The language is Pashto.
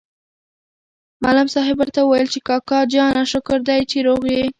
معلم صاحب ورته وویل چې کاکا جانه شکر دی چې روغ یې.